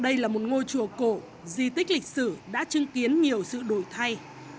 đây là một ngôi chùa cổ di tích lịch sử đã chứng kiến nhiều sự đổi thay